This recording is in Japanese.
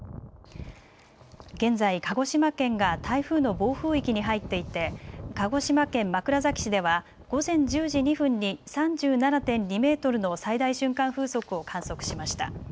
現在、鹿児島県が台風の暴風域に入っていて鹿児島県枕崎市では午前１０時２分に３７．２メートルの最大瞬間風速を観測しました。